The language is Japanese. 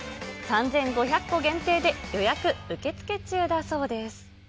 ３５００個限定で、予約受付中だそうです。